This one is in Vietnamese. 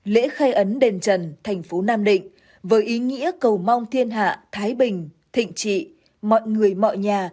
lễ khai ấn đền trần thành phố nam định với ý nghĩa cầu mong thiên hạ thái bình thịnh trị mọi người mọi nhà